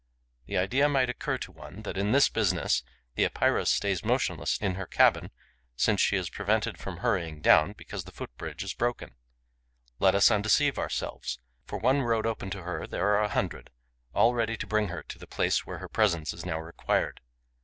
The idea might occur to one that, in this business, the Epeira stays motionless in her cabin since she is prevented from hurrying down, because the foot bridge is broken. Let us undeceive ourselves: for one road open to her there are a hundred, all ready to bring her to the place where her presence is now required.